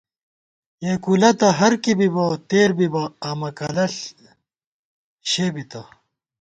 یېکولہ تہ ہر کی بِبہ ، تېر بِبہ، آمہ کلݪ شے بِتہ